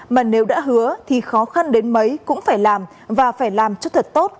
mà nếu đã hứa thì khó khăn đến mấy cũng phải làm và phải làm cho thật tốt